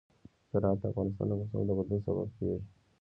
زراعت د افغانستان د موسم د بدلون سبب کېږي.